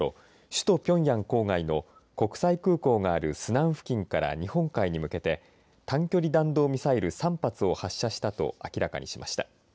首都ピョンヤン郊外の国際空港があるスナン付近から日本海に向けて短距離弾道ミサイル３発を発射したと明らかにしました。